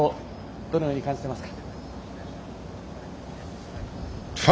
どのように感じていますか。